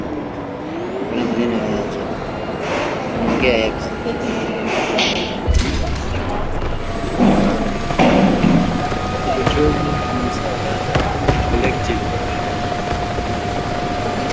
nilidhani wanawake wote wanaouza mabuyu na madera yao yaliyopondwa na alizeti iliyotiwa chumvi wangekimbia